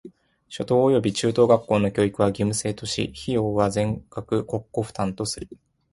初等および中等学校の教育は義務制とし、費用は全額国庫負担とする。